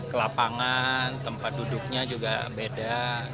kelapangan tempat duduknya juga beda